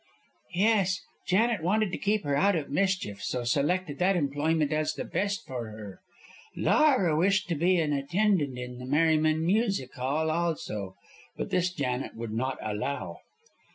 "Yes. Janet wanted to keep her out of mischief, so selected that employment as the best for her. Laura wished to be an attendant in the Merryman Music Hall, also, but this Janet would not allow."